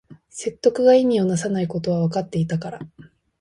説得が意味をなさないことはわかっていたから